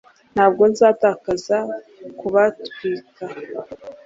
ntabwo nzatakaza kubatwika